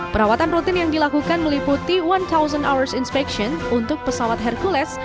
perawatan rutin yang dilakukan meliputi satu ours inspection untuk pesawat hercules